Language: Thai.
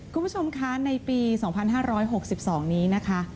คุณผู้ชมคะในปี๒๕๖๒นี้นะคะ